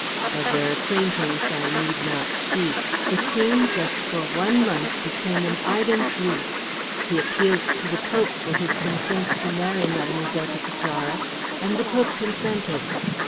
Of their acquaintance I need not speak. The King just for one month became an ardent youth. He appealed to the Pope for his consent to marry Mlle. de Caprara, and the Pope consented.